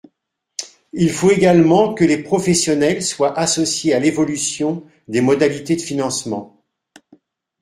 Il faut également que les professionnels soient associés à l’évolution des modalités de financement.